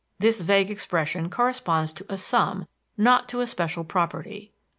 This vague expression corresponds to a sum, not to a special property.